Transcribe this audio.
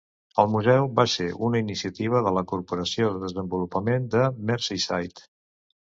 El museu va ser una iniciativa de la Corporació de Desenvolupament de Merseyside.